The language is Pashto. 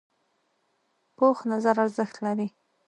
پوخ نظر ارزښت لري